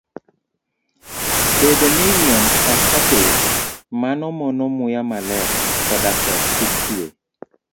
Bedo ni yien ok opidh, mano mono muya maler koda koth kik chwe.